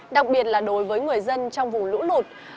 đặc biệt là đối với người dân trong vùng lũ lụt